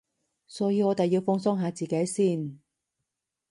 所以我哋要放鬆下自己先